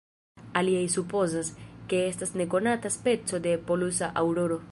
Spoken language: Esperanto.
Aliaj supozas, ke estas nekonata speco de polusa aŭroro.